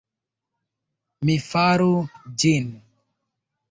Mi faru ĝin.